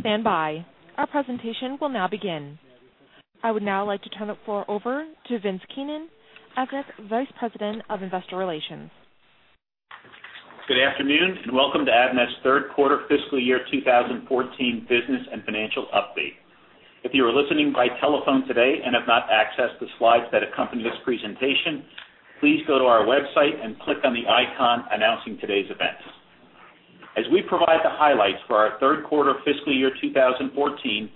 Please stand by. Our presentation will now begin. I would now like to turn the floor over to Vince Keenan, Avnet's Vice President of Investor Relations. Good afternoon and welcome to Avnet's Third Quarter Fiscal Year 2014 Business and Financial Update. If you are listening by telephone today and have not accessed the slides that accompany this presentation, please go to our website and click on the icon announcing today's event. As we provide the highlights for our Third Quarter Fiscal Year 2014,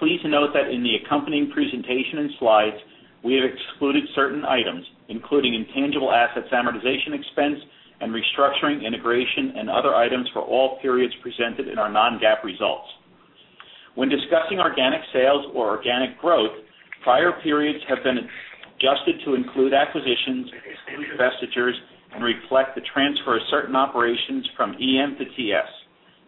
please note that in the accompanying presentation and slides, we have excluded certain items, including intangible assets amortization expense and restructuring integration and other items for all periods presented in our non-GAAP results. When discussing organic sales or organic growth, prior periods have been adjusted to include acquisitions, investments, and reflect the transfer of certain operations from EM to TS.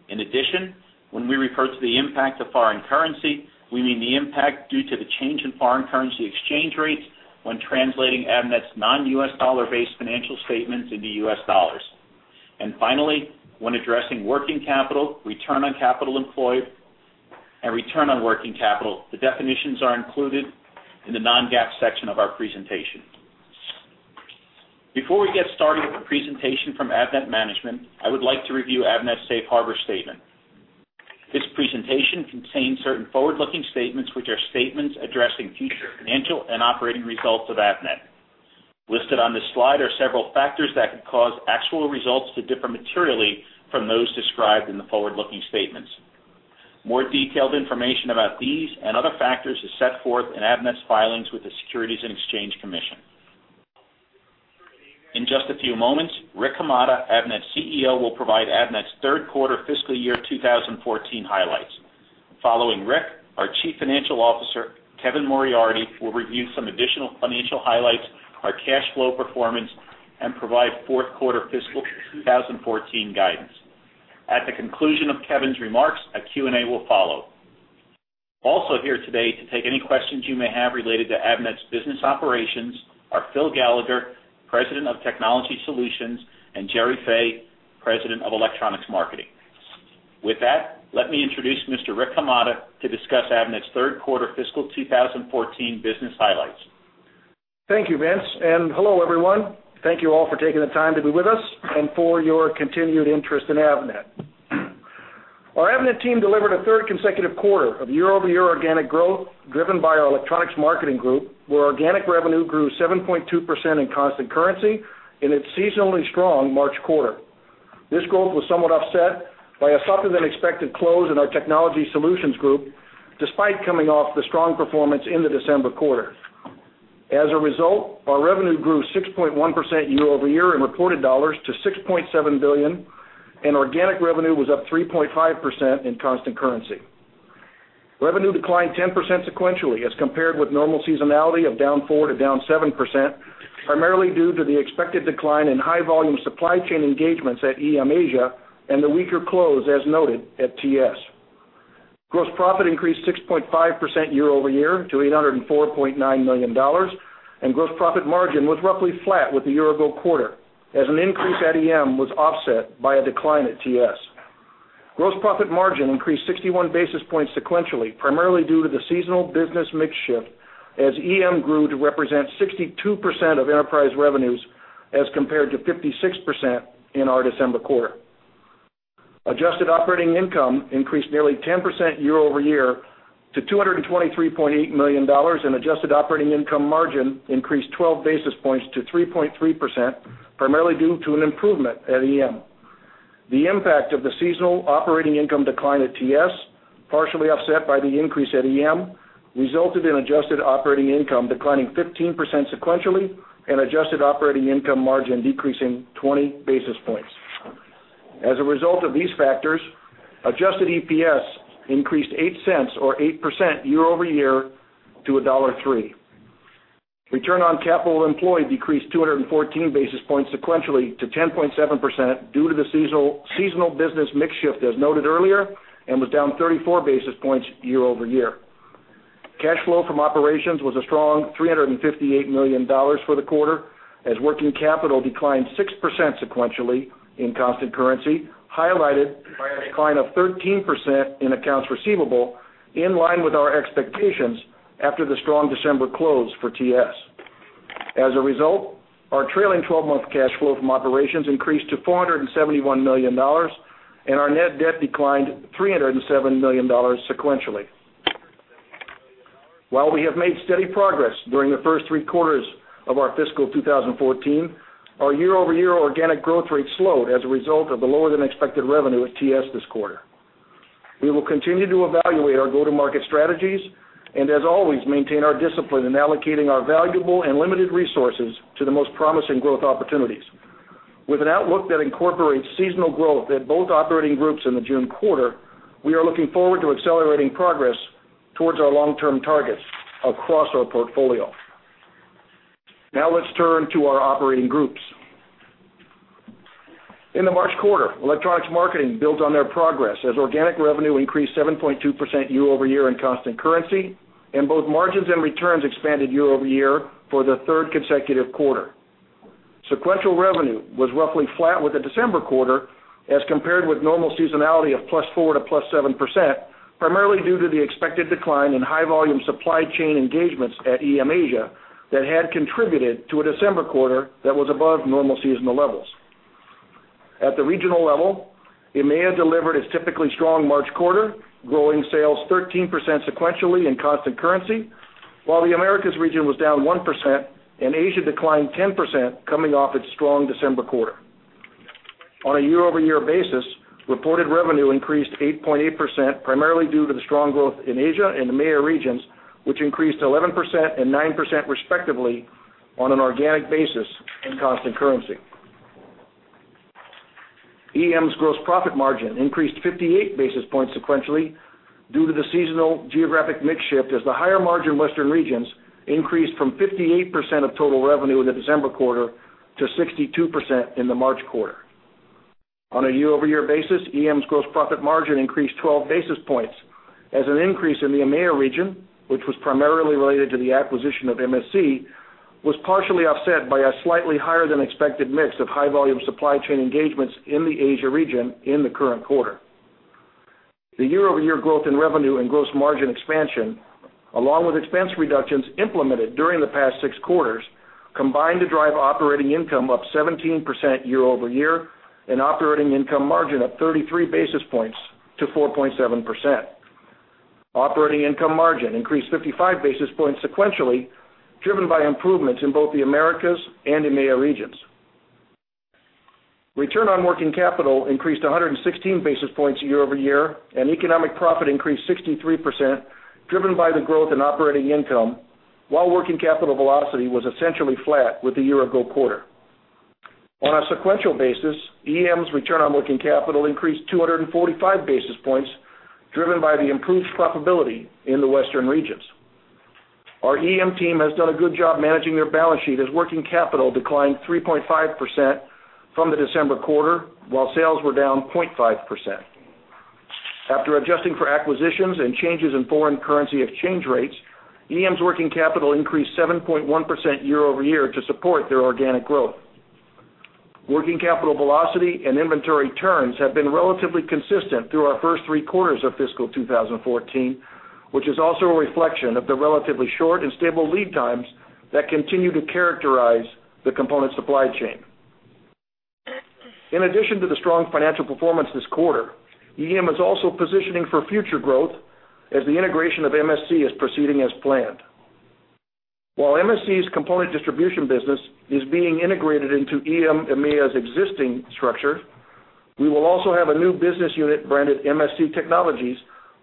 In addition, when we refer to the impact of foreign currency, we mean the impact due to the change in foreign currency exchange rates when translating Avnet's non-US dollar-based financial statements into US dollars. And finally, when addressing working capital, return on capital employed, and return on working capital, the definitions are included in the non-GAAP section of our presentation. Before we get started with the presentation from Avnet Management, I would like to review Avnet's Safe Harbor Statement. This presentation contains certain forward-looking statements, which are statements addressing future financial and operating results of Avnet. Listed on this slide are several factors that can cause actual results to differ materially from those described in the forward-looking statements. More detailed information about these and other factors is set forth in Avnet's filings with the Securities and Exchange Commission. In just a few moments, Rick Hamada, Avnet's CEO, will provide Avnet's Third Quarter Fiscal Year 2014 highlights. Following Rick, our Chief Financial Officer, Kevin Moriarty, will review some additional financial highlights, our cash flow performance, and provide Fourth Quarter Fiscal 2014 guidance. At the conclusion of Kevin's remarks, a Q&A will follow. Also here today to take any questions you may have related to Avnet's business operations are Phil Gallagher, President of Technology Solutions, and Gerry Fay, President of Electronics Marketing. With that, let me introduce Mr. Rick Hamada to discuss Avnet's Third Quarter Fiscal Year 2014 business highlights. Thank you, Vince, and hello everyone. Thank you all for taking the time to be with us and for your continued interest in Avnet. Our Avnet team delivered a third consecutive quarter of year-over-year organic growth driven by our Electronics Marketing Group, where organic revenue grew 7.2% in constant currency in its seasonally strong March quarter. This growth was somewhat offset by a softer-than-expected close in our Technology Solutions Group, despite coming off the strong performance in the December quarter. As a result, our revenue grew 6.1% year-over-year in reported dollars to $6.7 billion, and organic revenue was up 3.5% in constant currency. Revenue declined 10% sequentially as compared with normal seasonality of down 4%-7%, primarily due to the expected decline in high-volume supply chain engagements at EM Asia and the weaker close as noted at TS. Gross profit increased 6.5% year-over-year to $804.9 million, and gross profit margin was roughly flat with the year-ago quarter, as an increase at EM was offset by a decline at TS. Gross profit margin increased 61 basis points sequentially, primarily due to the seasonal business mix shift as EM grew to represent 62% of enterprise revenues as compared to 56% in our December quarter. Adjusted operating income increased nearly 10% year-over-year to $223.8 million, and adjusted operating income margin increased 12 basis points to 3.3%, primarily due to an improvement at EM. The impact of the seasonal operating income decline at TS, partially offset by the increase at EM, resulted in adjusted operating income declining 15% sequentially and adjusted operating income margin decreasing 20 basis points. As a result of these factors, adjusted EPS increased $0.08, or 8% year-over-year, to $1.03. Return on capital employed decreased 214 basis points sequentially to 10.7% due to the seasonal business mix shift as noted earlier and was down 34 basis points year-over-year. Cash flow from operations was a strong $358 million for the quarter, as working capital declined 6% sequentially in constant currency, highlighted a decline of 13% in accounts receivable, in line with our expectations after the strong December close for TS. As a result, our trailing 12-month cash flow from operations increased to $471 million, and our net debt declined $307 million sequentially. While we have made steady progress during the first three quarters of our fiscal 2014, our year-over-year organic growth rate slowed as a result of the lower-than-expected revenue at TS this quarter. We will continue to evaluate our go-to-market strategies and, as always, maintain our discipline in allocating our valuable and limited resources to the most promising growth opportunities. With an outlook that incorporates seasonal growth at both operating groups in the June quarter, we are looking forward to accelerating progress towards our long-term targets across our portfolio. Now let's turn to our operating groups. In the March quarter, Electronics Marketing built on their progress as organic revenue increased 7.2% year-over-year in constant currency, and both margins and returns expanded year-over-year for the third consecutive quarter. Sequential revenue was roughly flat with the December quarter as compared with normal seasonality of +4% to +7%, primarily due to the expected decline in high-volume supply chain engagements at EM Asia that had contributed to a December quarter that was above normal seasonal levels. At the regional level, EMEA delivered its typically strong March quarter, growing sales 13% sequentially in constant currency, while the Americas region was down 1% and Asia declined 10% coming off its strong December quarter. On a year-over-year basis, reported revenue increased 8.8%, primarily due to the strong growth in Asia and EMEA regions, which increased 11% and 9% respectively on an organic basis in constant currency. EM's gross profit margin increased 58 basis points sequentially due to the seasonal geographic mix shift as the higher margin Western regions increased from 58% of total revenue in the December quarter to 62% in the March quarter. On a year-over-year basis, EM's gross profit margin increased 12 basis points as an increase in the EMEA region, which was primarily related to the acquisition of MSC, was partially offset by a slightly higher-than-expected mix of high-volume supply chain engagements in the Asia region in the current quarter. The year-over-year growth in revenue and gross margin expansion, along with expense reductions implemented during the past six quarters, combined to drive operating income up 17% year-over-year and operating income margin up 33 basis points to 4.7%. Operating income margin increased 55 basis points sequentially, driven by improvements in both the Americas and EMEA regions. Return on working capital increased 116 basis points year-over-year, and economic profit increased 63%, driven by the growth in operating income, while working capital velocity was essentially flat with the year-ago quarter. On a sequential basis, EM's return on working capital increased 245 basis points, driven by the improved profitability in the Western regions. Our EM team has done a good job managing their balance sheet as working capital declined 3.5% from the December quarter, while sales were down 0.5%. After adjusting for acquisitions and changes in foreign currency exchange rates, EM's working capital increased 7.1% year-over-year to support their organic growth. Working capital velocity and inventory turns have been relatively consistent through our first three quarters of fiscal 2014, which is also a reflection of the relatively short and stable lead times that continue to characterize the component supply chain. In addition to the strong financial performance this quarter, EM is also positioning for future growth as the integration of MSC is proceeding as planned. While MSC's component distribution business is being integrated into EM EMEA's existing structure, we will also have a new business unit branded MSC Technologies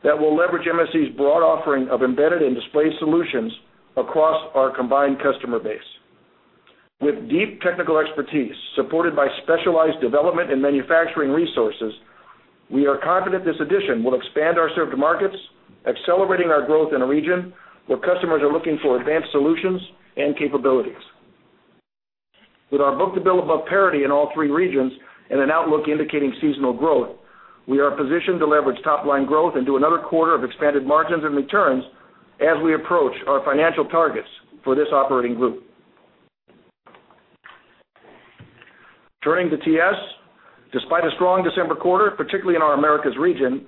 that will leverage MSC's broad offering of embedded and display solutions across our combined customer base. With deep technical expertise supported by specialized development and manufacturing resources, we are confident this addition will expand our served markets, accelerating our growth in a region where customers are looking for advanced solutions and capabilities. With our book-to-bill above parity in all three regions and an outlook indicating seasonal growth, we are positioned to leverage top-line growth and do another quarter of expanded margins and returns as we approach our financial targets for this operating group. Turning to TS, despite a strong December quarter, particularly in our Americas region,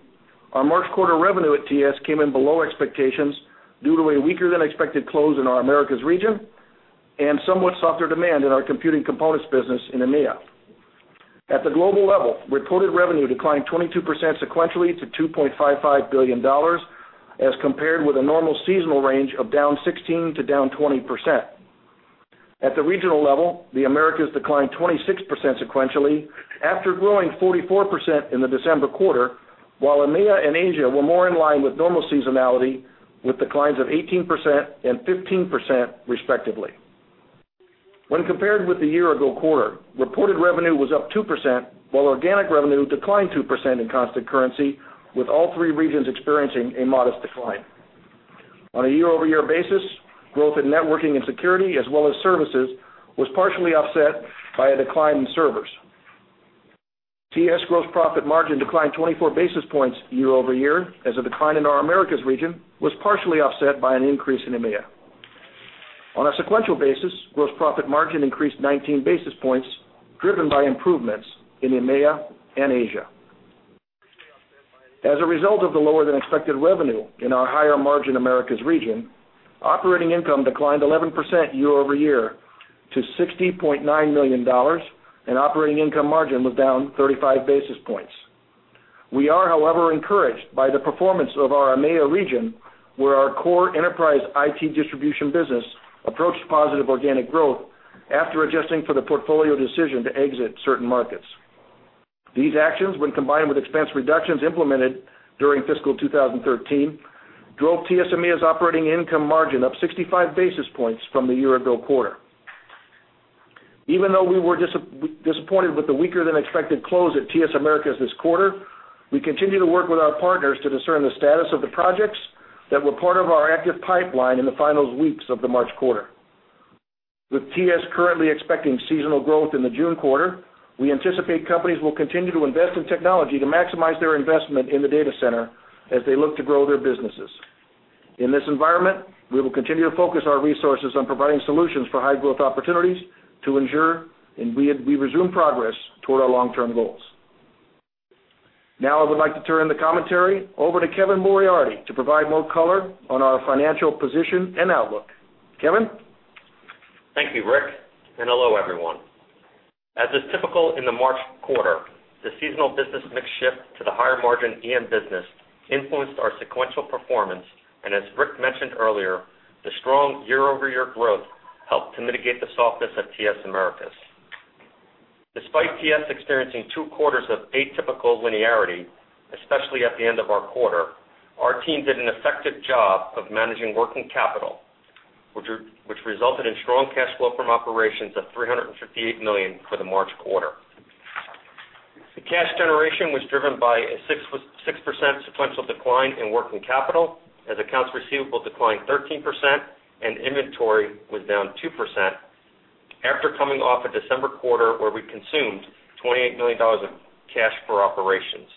our March quarter revenue at TS came in below expectations due to a weaker-than-expected close in our Americas region and somewhat softer demand in our computing components business in EMEA. At the global level, reported revenue declined 22% sequentially to $2.55 billion as compared with a normal seasonal range of down 16%-20%. At the regional level, the Americas declined 26% sequentially after growing 44% in the December quarter, while EMEA and Asia were more in line with normal seasonality with declines of 18% and 15% respectively. When compared with the year-ago quarter, reported revenue was up 2%, while organic revenue declined 2% in constant currency, with all three regions experiencing a modest decline. On a year-over-year basis, growth in networking and security, as well as services, was partially offset by a decline in servers. TS gross profit margin declined 24 basis points year-over-year as a decline in our Americas region was partially offset by an increase in EMEA. On a sequential basis, gross profit margin increased 19 basis points, driven by improvements in EMEA and Asia. As a result of the lower-than-expected revenue in our higher-margin Americas region, operating income declined 11% year-over-year to $60.9 million, and operating income margin was down 35 basis points. We are, however, encouraged by the performance of our EMEA region, where our core enterprise IT distribution business approached positive organic growth after adjusting for the portfolio decision to exit certain markets. These actions, when combined with expense reductions implemented during fiscal 2013, drove TS EMEA's operating income margin up 65 basis points from the year-ago quarter. Even though we were disappointed with the weaker-than-expected close at TS Americas this quarter, we continue to work with our partners to discern the status of the projects that were part of our active pipeline in the final weeks of the March quarter. With TS currently expecting seasonal growth in the June quarter, we anticipate companies will continue to invest in technology to maximize their investment in the data center as they look to grow their businesses. In this environment, we will continue to focus our resources on providing solutions for high-growth opportunities to ensure we resume progress toward our long-term goals. Now I would like to turn the commentary over to Kevin Moriarty to provide more color on our financial position and outlook. Kevin. Thank you, Rick, and hello everyone. As is typical in the March quarter, the seasonal business mix shift to the higher-margin EM business influenced our sequential performance, and as Rick mentioned earlier, the strong year-over-year growth helped to mitigate the softness of TS Americas. Despite TS experiencing two quarters of atypical linearity, especially at the end of our quarter, our team did an effective job of managing working capital, which resulted in strong cash flow from operations of $358 million for the March quarter. The cash generation was driven by a 6% sequential decline in working capital, as accounts receivable declined 13% and inventory was down 2% after coming off a December quarter where we consumed $28 million of cash for operations.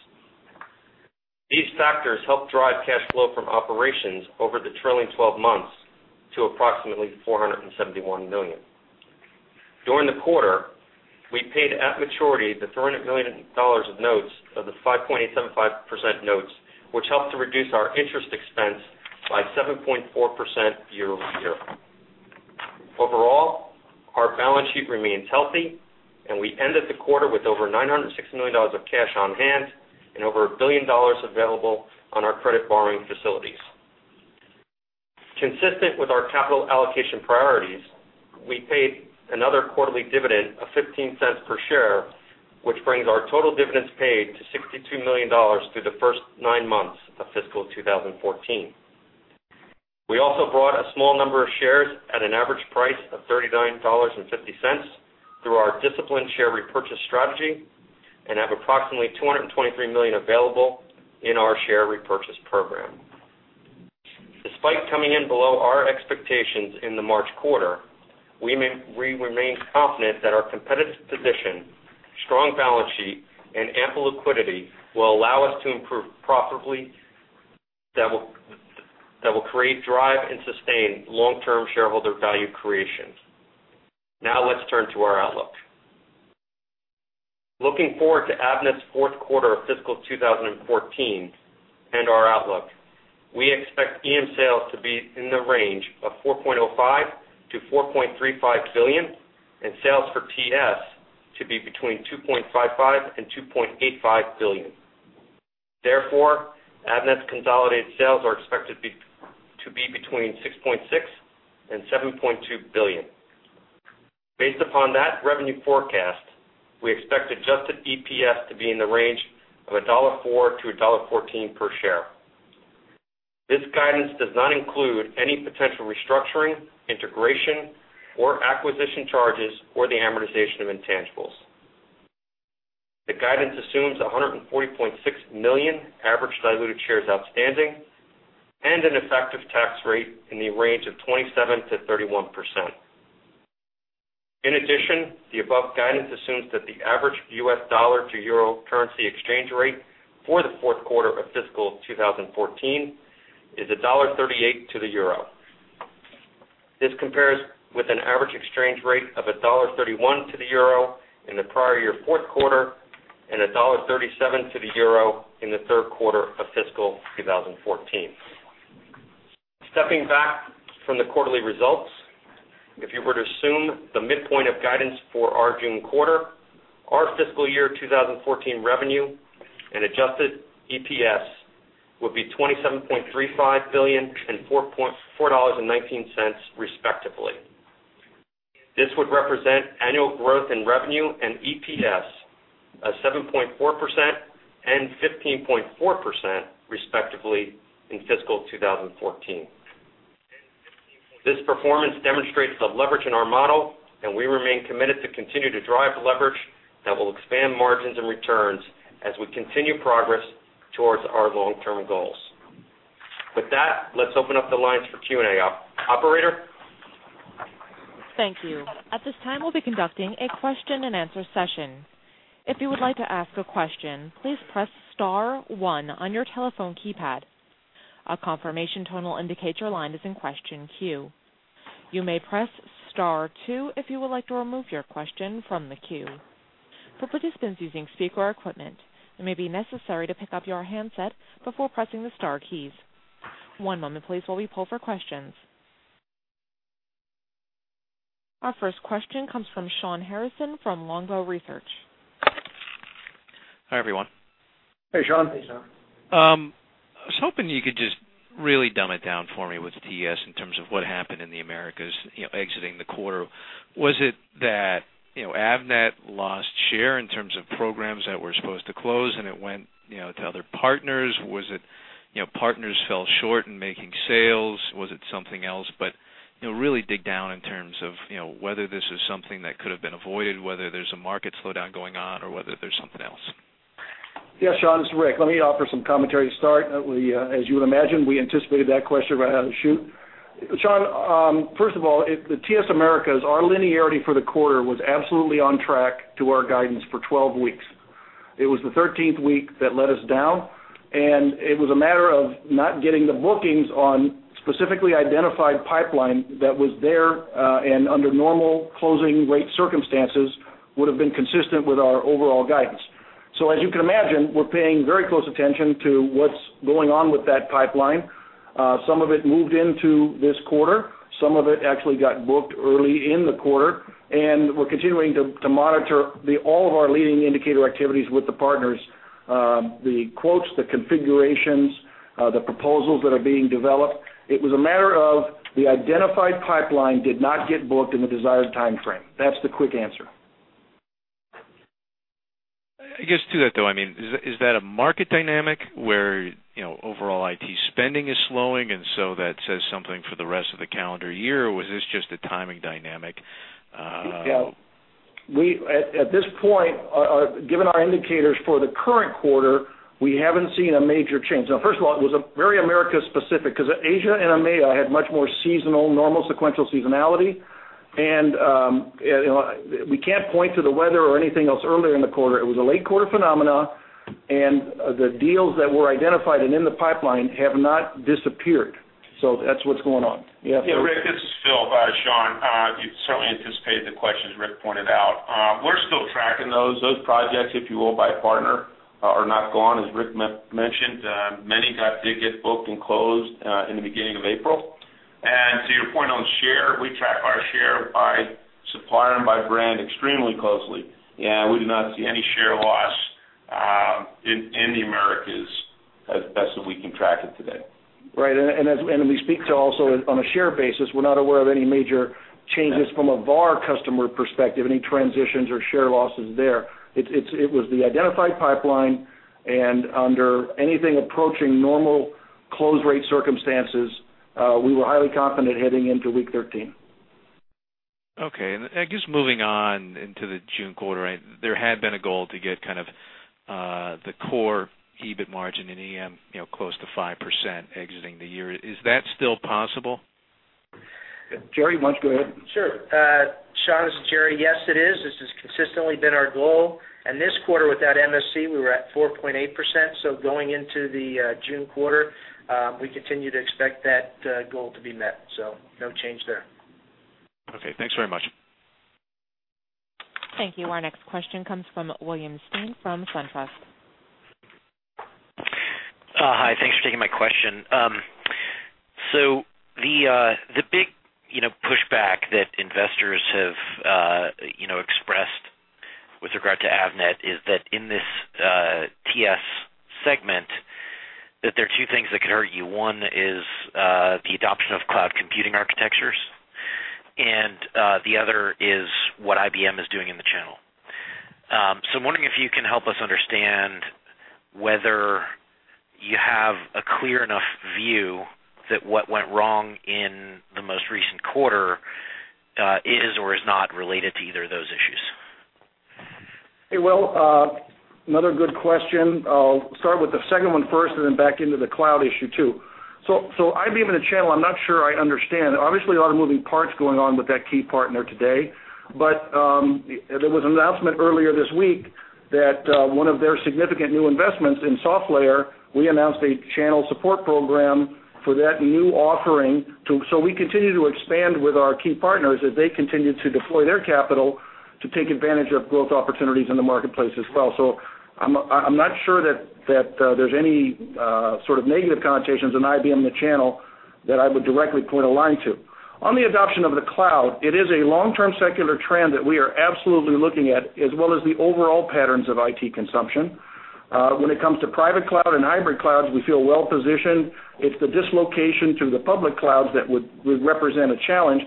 These factors helped drive cash flow from operations over the trailing 12 months to approximately $471 million. During the quarter, we paid at maturity the $300 million of notes of the 5.875% notes, which helped to reduce our interest expense by 7.4% year-over-year. Overall, our balance sheet remains healthy, and we ended the quarter with over $906 million of cash on hand and over $1 billion available on our credit borrowing facilities. Consistent with our capital allocation priorities, we paid another quarterly dividend of $0.15 per share, which brings our total dividends paid to $62 million through the first nine months of fiscal 2014. We also bought a small number of shares at an average price of $39.50 through our disciplined share repurchase strategy and have approximately $223 million available in our share repurchase program. Despite coming in below our expectations in the March quarter, we remain confident that our competitive position, strong balance sheet, and ample liquidity will allow us to improve profitably. That will create, drive, and sustain long-term shareholder value creation. Now let's turn to our outlook. Looking forward to Avnet's fourth quarter of fiscal 2014 and our outlook, we expect EM sales to be in the range of $4.05 billion-$4.35 billion and sales for TS to be between $2.55 and $2.85 billion. Therefore, Avnet's consolidated sales are expected to be between $6.6 and $7.2 billion. Based upon that revenue forecast, we expect adjusted EPS to be in the range of $1.04-$1.14 per share. This guidance does not include any potential restructuring, integration, or acquisition charges or the amortization of intangibles. The guidance assumes $140.6 million average diluted shares outstanding and an effective tax rate in the range of 27%-31%. In addition, the above guidance assumes that the average US dollar-to-euro currency exchange rate for the fourth quarter of fiscal 2014 is $1.38 to the euro. This compares with an average exchange rate of $1.31 to the euro in the prior year fourth quarter and $1.37 to the euro in the third quarter of fiscal 2014. Stepping back from the quarterly results, if you were to assume the midpoint of guidance for our June quarter, our fiscal year 2014 revenue and adjusted EPS would be $27.35 billion and $4.19 respectively. This would represent annual growth in revenue and EPS of 7.4% and 15.4% respectively in fiscal 2014. This performance demonstrates the leverage in our model, and we remain committed to continue to drive leverage that will expand margins and returns as we continue progress towards our long-term goals. With that, let's open up the lines for Q&A. Operator. Thank you. At this time, we'll be conducting a question-and-answer session. If you would like to ask a question, please press star one on your telephone keypad. A confirmation tone indicates your line is in the question queue. You may press star two if you would like to remove your question from the queue. For participants using speaker equipment, it may be necessary to pick up your handset before pressing the star keys. One moment, please, while we poll for questions. Our first question comes from Shawn Harrison from Longbow Research. Hi, everyone. Hey, Shawn. I was hoping you could just really dumb it down for me with TS in terms of what happened in the Americas exiting the quarter. Was it that Avnet lost share in terms of programs that were supposed to close, and it went to other partners? Was it partners fell short in making sales? Was it something else? But really dig down in terms of whether this is something that could have been avoided, whether there's a market slowdown going on, or whether there's something else. Yeah, Shawn, this is Rick. Let me offer some commentary to start. As you would imagine, we anticipated that question right out of the chute. Shawn, first of all, the TS Americas, our linearity for the quarter was absolutely on track to our guidance for 12 weeks. It was the 13th week that led us down, and it was a matter of not getting the bookings on specifically identified pipeline that was there and under normal closing rate circumstances would have been consistent with our overall guidance. So as you can imagine, we're paying very close attention to what's going on with that pipeline. Some of it moved into this quarter. Some of it actually got booked early in the quarter, and we're continuing to monitor all of our leading indicator activities with the partners, the quotes, the configurations, the proposals that are being developed. It was a matter of the identified pipeline did not get booked in the desired time frame. That's the quick answer. I guess to that, though, I mean, is that a market dynamic where overall IT spending is slowing, and so that says something for the rest of the calendar year, or was this just a timing dynamic? Yeah. At this point, given our indicators for the current quarter, we haven't seen a major change. Now, first of all, it was very Americas-specific because Asia and EMEA had much more seasonal, normal sequential seasonality, and we can't point to the weather or anything else earlier in the quarter. It was a late quarter phenomenon, and the deals that were identified and in the pipeline have not disappeared. So that's what's going on. Yeah, Rick, this is Phil Gallagher. You certainly anticipated the questions Rick pointed out. We're still tracking those. Those projects, if you will, by partner are not gone. As Rick mentioned, many got tickets booked and closed in the beginning of April. To your point on share, we track our share by supplier and by brand extremely closely, and we do not see any share loss in the Americas as best as we can track it today. Right. And we speak to also on a share basis, we're not aware of any major changes from a VAR customer perspective, any transitions or share losses there. It was the identified pipeline, and under anything approaching normal close rate circumstances, we were highly confident heading into week 13. Okay. And I guess moving on into the June quarter, there had been a goal to get kind of the core EBIT margin in EM close to 5% exiting the year. Is that still possible? Gerry, why don't you go ahead? Sure. Shawn is Gerry. Yes, it is. This has consistently been our goal. And this quarter with that MSC, we were at 4.8%. So going into the June quarter, we continue to expect that goal to be met. So no change there. Okay. Thanks very much. Thank you. Our next question comes from William Stein from SunTrust. Hi. Thanks for taking my question. So the big pushback that investors have expressed with regard to Avnet is that in this TS segment, that there are two things that could hurt you. One is the adoption of cloud computing architectures, and the other is what IBM is doing in the channel. So I'm wondering if you can help us understand whether you have a clear enough view that what went wrong in the most recent quarter is or is not related to either of those issues. Well, another good question. I'll start with the second one first and then back into the cloud issue too. So IBM in the channel, I'm not sure I understand. Obviously, a lot of moving parts going on with that key partner today, but there was an announcement earlier this week that one of their significant new investments in SoftLayer. We announced a channel support program for that new offering. So we continue to expand with our key partners as they continue to deploy their capital to take advantage of growth opportunities in the marketplace as well. So I'm not sure that there's any sort of negative connotations in IBM in the channel that I would directly point a line to. On the adoption of the cloud, it is a long-term secular trend that we are absolutely looking at, as well as the overall patterns of IT consumption. When it comes to private cloud and hybrid clouds, we feel well positioned. It's the dislocation to the public clouds that would represent a challenge.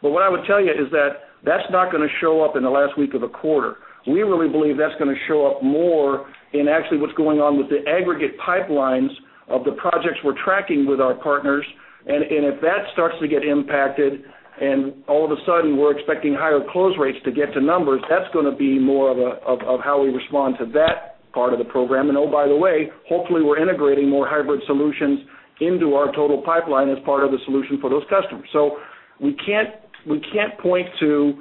But what I would tell you is that that's not going to show up in the last week of a quarter. We really believe that's going to show up more in actually what's going on with the aggregate pipelines of the projects we're tracking with our partners. And if that starts to get impacted and all of a sudden we're expecting higher close rates to get to numbers, that's going to be more of how we respond to that part of the program. And oh, by the way, hopefully we're integrating more hybrid solutions into our total pipeline as part of the solution for those customers. We can't point to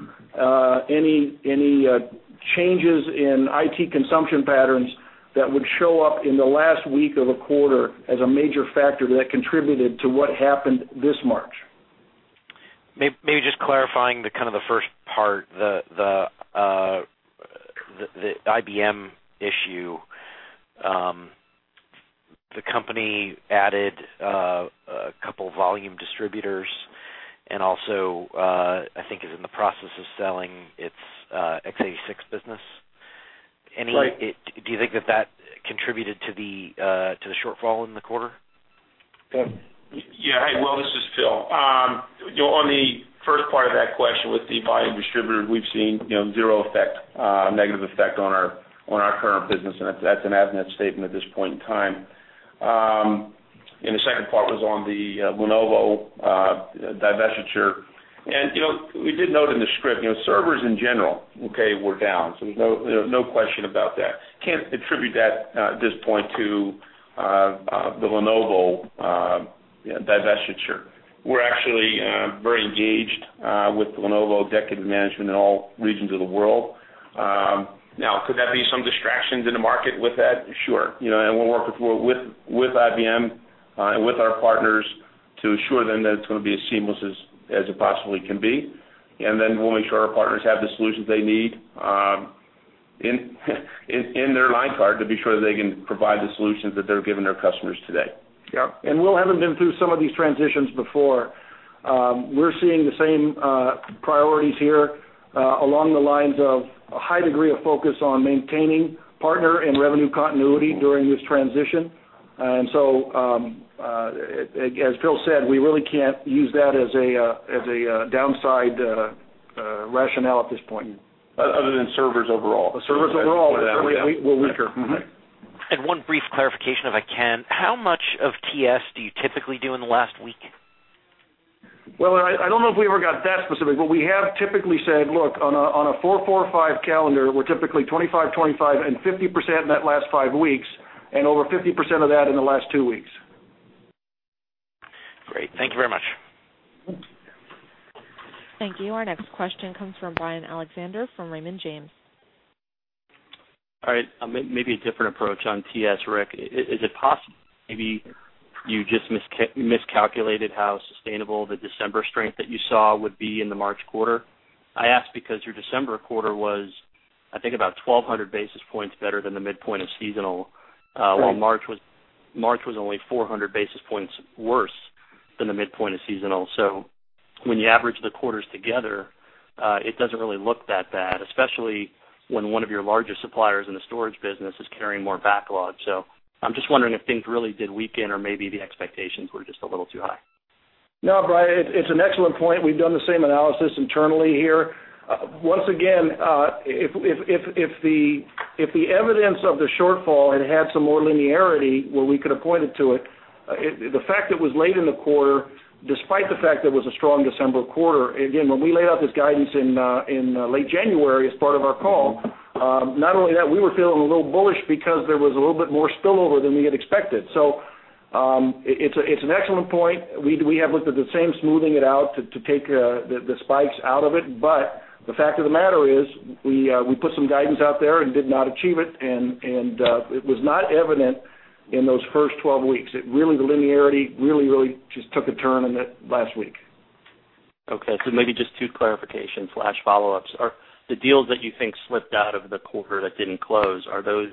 any changes in IT consumption patterns that would show up in the last week of a quarter as a major factor that contributed to what happened this March. Maybe just clarifying the kind of the first part, the IBM issue. The company added a couple of volume distributors and also, I think, is in the process of selling its x86 business. Do you think that that contributed to the shortfall in the quarter? Yeah. Hey, Will, this is Phil. On the first part of that question with the volume distributor, we've seen zero effect, negative effect on our current business, and that's an ADNA statement at this point in time. And the second part was on the Lenovo divestiture. And we did note in the script, servers in general, okay, were down. So there's no question about that. Can't attribute that at this point to the Lenovo divestiture. We're actually very engaged with the Lenovo executive management in all regions of the world. Now, could that be some distractions in the market with that? Sure. And we'll work with IBM and with our partners to assure them that it's going to be as seamless as it possibly can be. And then we'll make sure our partners have the solutions they need in their line card to be sure that they can provide the solutions that they're giving their customers today. Yep. And Will, haven't been through some of these transitions before. We're seeing the same priorities here along the lines of a high degree of focus on maintaining partner and revenue continuity during this transition. And so, as Phil said, we really can't use that as a downside rationale at this point. Other than servers overall. Servers overall, we're weaker. One brief clarification if I can. How much of TS do you typically do in the last week? Well, I don't know if we ever got that specific, but we have typically said, "Look, on a 4, 4, 5 calendar, we're typically 25, 25, and 50% in that last 5 weeks, and over 50% of that in the last two weeks. Great. Thank you very much. Thank you. Our next question comes from Brian Alexander from Raymond James. All right. Maybe a different approach on TS, Rick. Is it possible maybe you just miscalculated how sustainable the December strength that you saw would be in the March quarter? I ask because your December quarter was, I think, about 1,200 basis points better than the midpoint of seasonal, while March was only 400 basis points worse than the midpoint of seasonal. So when you average the quarters together, it doesn't really look that bad, especially when one of your largest suppliers in the storage business is carrying more backlog. So I'm just wondering if things really did weaken or maybe the expectations were just a little too high. No, Brian, it's an excellent point. We've done the same analysis internally here. Once again, if the evidence of the shortfall had had some more linearity where we could have pointed to it, the fact it was late in the quarter, despite the fact there was a strong December quarter, again, when we laid out this guidance in late January as part of our call, not only that, we were feeling a little bullish because there was a little bit more spillover than we had expected. So it's an excellent point. We have looked at the same smoothing it out to take the spikes out of it, but the fact of the matter is we put some guidance out there and did not achieve it, and it was not evident in those first 12 weeks. Really, the linearity really, really just took a turn in the last week. Okay. So maybe just two clarifications or follow-ups. The deals that you think slipped out of the quarter that didn't close, are those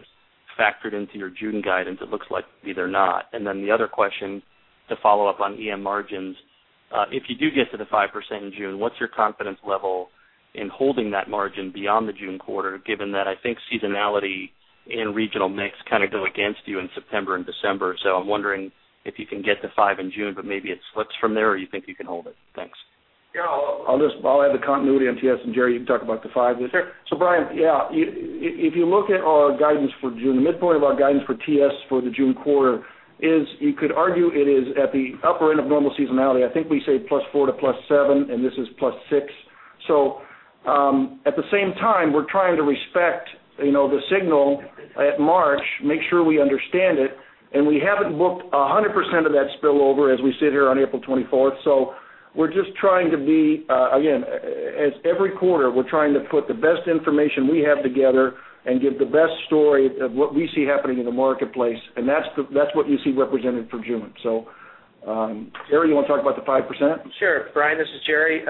factored into your June guidance? It looks like either not. And then the other question to follow up on EM margins. If you do get to the 5% in June, what's your confidence level in holding that margin beyond the June quarter, given that I think seasonality and regional mix kind of go against you in September and December? So I'm wondering if you can get to 5% in June, but maybe it slips from there or you think you can hold it. Thanks. Yeah. I'll add the continuity on TS. And Gerry, you can talk about the five. So Brian, yeah, if you look at our guidance for June, the midpoint of our guidance for TS for the June quarter is, you could argue it is at the upper end of normal seasonality. I think we say +4% to +7%, and this is +6%. So at the same time, we're trying to respect the signal at March, make sure we understand it, and we haven't booked 100% of that spillover as we sit here on April 24th. So we're just trying to be, again, as every quarter, we're trying to put the best information we have together and give the best story of what we see happening in the marketplace, and that's what you see represented for June. So Gerry, you want to talk about the 5%? Sure. Brian, this is Gerry.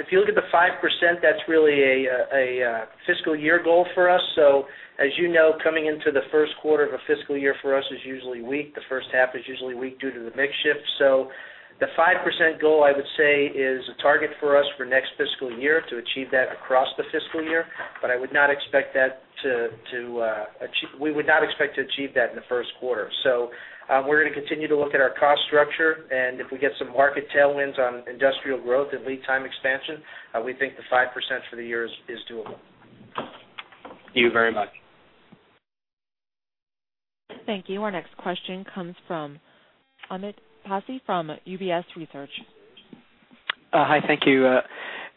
If you look at the 5%, that's really a fiscal year goal for us. So as you know, coming into the first quarter of a fiscal year for us is usually weak. The first half is usually weak due to the big shift. So the 5% goal, I would say, is a target for us for next fiscal year to achieve that across the fiscal year, but we would not expect to achieve that in the first quarter. So we're going to continue to look at our cost structure, and if we get some market tailwinds on industrial growth and lead time expansion, we think the 5% for the year is doable. Thank you very much. Thank you. Our next question comes from Amitabh Passi from UBS Research. Hi. Thank you.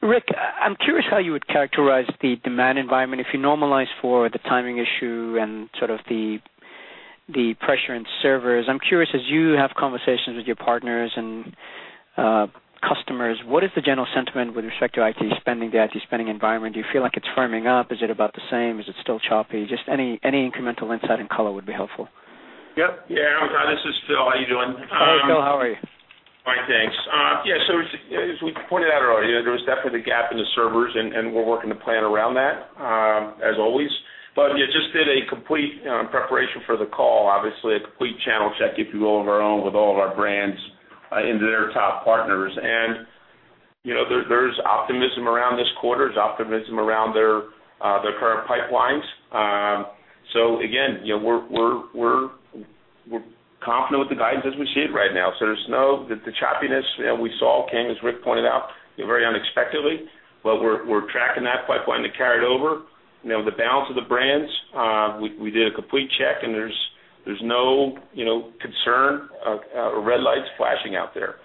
Rick, I'm curious how you would characterize the demand environment if you normalize for the timing issue and sort of the pressure in servers. I'm curious, as you have conversations with your partners and customers, what is the general sentiment with respect to IT spending, the IT spending environment? Do you feel like it's firming up? Is it about the same? Is it still choppy? Just any incremental insight and color would be helpful. Yep. Yeah. I'm glad. This is Phil. How are you doing? Hey, Phil. How are you? Fine, thanks. Yeah. So as we pointed out earlier, there was definitely the gap in the servers, and we're working to plan around that as always. But just did a complete preparation for the call, obviously, a complete channel check, if you will, of our own with all of our brands and their top partners. And there's optimism around this quarter. There's optimism around their current pipelines. So again, we're confident with the guidance as we see it right now. So there's no the choppiness we saw came, as Rick pointed out, very unexpectedly, but we're tracking that pipeline to carry it over. The balance of the brands, we did a complete check, and there's no concern or red lights flashing out there.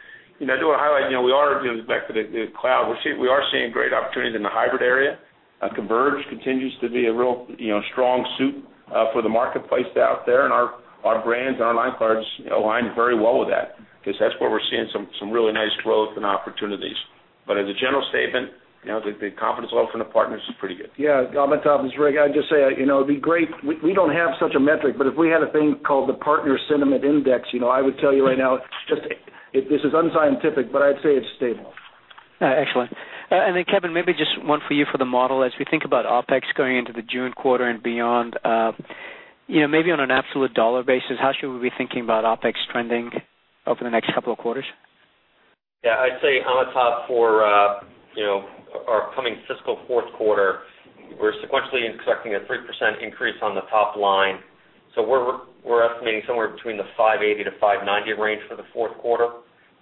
I do want to highlight we are looking back to the cloud. We are seeing great opportunities in the hybrid area. infrastructure continues to be a real strong suit for the marketplace out there, and our brands and our line cards align very well with that because that's where we're seeing some really nice growth and opportunities. But as a general statement, the confidence level from the partners is pretty good. Yeah. Amitabh Passi, Rick, I'd just say it'd be great. We don't have such a metric, but if we had a thing called the Partner Sentiment Index, I would tell you right now, just this is unscientific, but I'd say it's stable. Excellent. And then, Kevin, maybe just one for you for the model. As we think about OPEX going into the June quarter and beyond, maybe on an absolute dollar basis, how should we be thinking about OPEX trending over the next couple of quarters? Yeah. I'd say Amitabh, for our coming fiscal fourth quarter, we're sequentially expecting a 3% increase on the top line. So we're estimating somewhere between the $580-$590 range for the fourth quarter.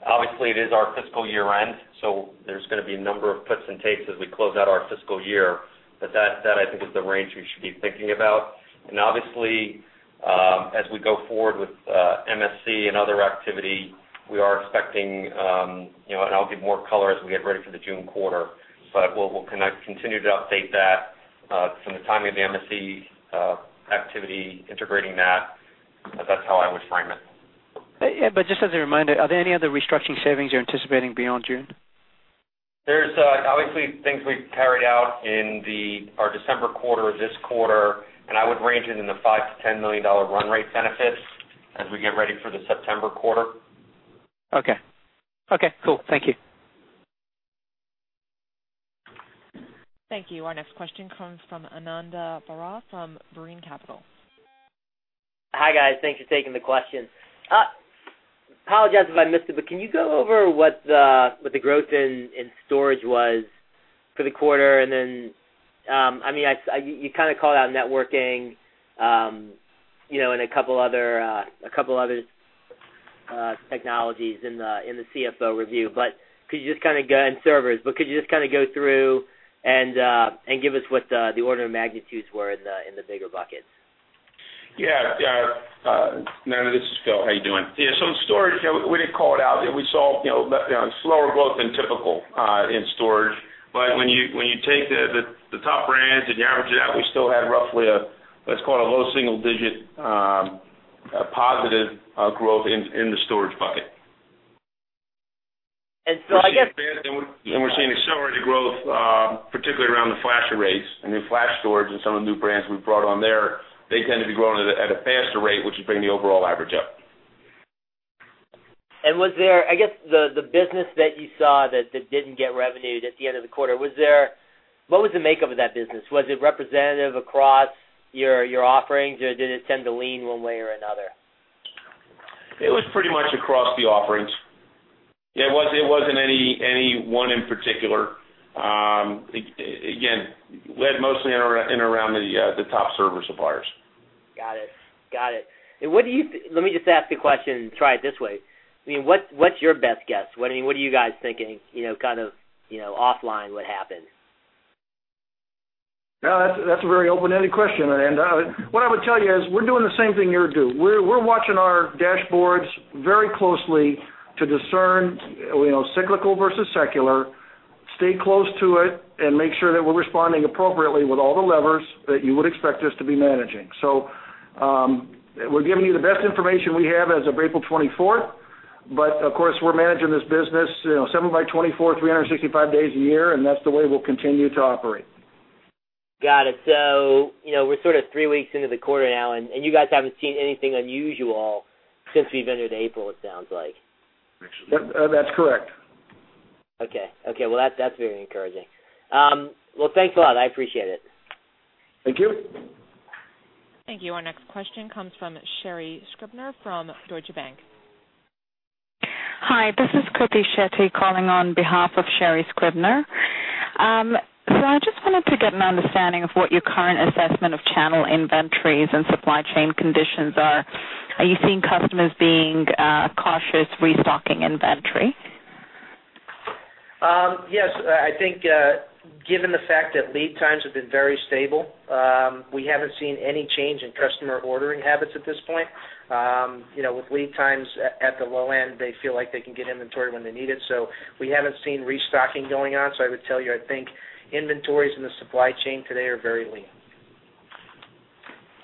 Obviously, it is our fiscal year end, so there's going to be a number of puts and takes as we close out our fiscal year, but that, I think, is the range we should be thinking about. And obviously, as we go forward with MSC and other activity, we are expecting, and I'll give more color as we get ready for the June quarter, but we'll continue to update that from the timing of the MSC activity, integrating that. That's how I would frame it. Just as a reminder, are there any other restructuring savings you're anticipating beyond June? There's obviously things we've carried out in our December quarter of this quarter, and I would range it in the $5 million-$10 million run rate benefits as we get ready for the September quarter. Okay. Okay. Cool. Thank you. Thank you. Our next question comes from Ananda Baruah from Brean Capital. Hi guys. Thanks for taking the question. Apologize if I missed it, but can you go over what the growth in storage was for the quarter? And then, I mean, you kind of called out networking and a couple of other technologies in the CFO review. But could you just kind of go through and give us what the order of magnitudes were in the bigger buckets? Yeah. Yeah. No, this is Phil. How are you doing? Yeah. So in storage, we didn't call it out. We saw slower growth than typical in storage. But when you take the top brands and you average it out, we still had roughly a, let's call it a low single digit positive growth in the storage bucket. And so I guess. We're seeing accelerated growth, particularly around the flash arrays and new flash storage and some of the new brands we brought on there. They tend to be growing at a faster rate, which is bringing the overall average up. Was there, I guess, the business that you saw that didn't get revenue at the end of the quarter? What was the makeup of that business? Was it representative across your offerings, or did it tend to lean one way or another? It was pretty much across the offerings. Yeah. It wasn't any one in particular. Again, led mostly in and around the top server suppliers. Got it. Got it. And what do you let me just ask the question and try it this way? I mean, what's your best guess? I mean, what are you guys thinking kind of offline what happened? No, that's a very open-ended question. What I would tell you is we're doing the same thing you're doing. We're watching our dashboards very closely to discern cyclical versus secular, stay close to it, and make sure that we're responding appropriately with all the levers that you would expect us to be managing. We're giving you the best information we have as of April 24th, but of course, we're managing this business seven by 24, 365 days a year, and that's the way we'll continue to operate. Got it. So we're sort of three weeks into the quarter now, and you guys haven't seen anything unusual since we've entered April, it sounds like. That's correct. Okay. Okay. Well, that's very encouraging. Well, thanks a lot. I appreciate it. Thank you. Thank you. Our next question comes from Sherri Scribner from Deutsche Bank. Hi. This is Kirthi Shetty calling on behalf of Sherri Scribner. I just wanted to get an understanding of what your current assessment of channel inventories and supply chain conditions are. Are you seeing customers being cautious restocking inventory? Yes. I think given the fact that lead times have been very stable, we haven't seen any change in customer ordering habits at this point. With lead times at the low end, they feel like they can get inventory when they need it. So we haven't seen restocking going on. So I would tell you, I think inventories in the supply chain today are very lean.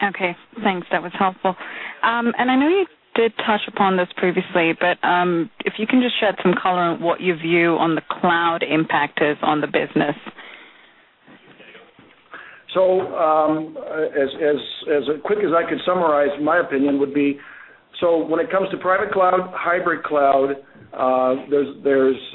Okay. Thanks. That was helpful. I know you did touch upon this previously, but if you can just shed some color on what your view on the cloud impact is on the business. So as quick as I could summarize, my opinion would be so when it comes to private cloud, hybrid cloud, there's